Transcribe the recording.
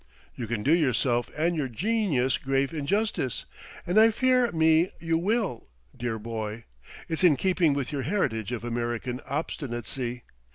"You can do yourself and your genius grave injustice. And I fear me you will, dear boy. It's in keeping with your heritage of American obstinacy.